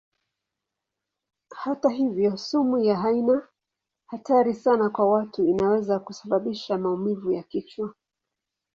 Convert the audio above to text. Hata hivyo sumu yao haina hatari sana kwa watu; inaweza kusababisha maumivu ya kichwa.